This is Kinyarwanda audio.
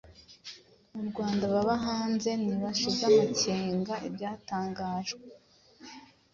mu Rwanda baba hanze, ntibashize amakenga ibyatangajwe